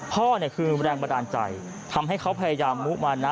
พ่อเนี่ยคือแรงบันดาลใจทำให้เขาพยายามมุมานะ